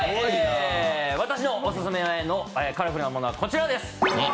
私のオススメのカラフルなモノはこちらです。